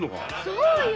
そうよ。